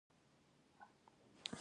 آیا دوی په خبرو کې مهارت نلري؟